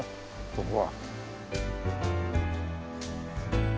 ここは。